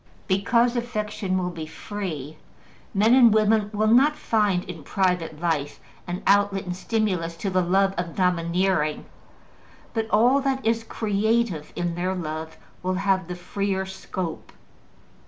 Because affection will be free, men and women will not find in private life an outlet and stimulus to the love of domineering, but all that is creative in their love will have the freer scope.